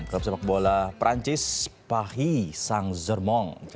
klub sepak bola perancis pahi saint germain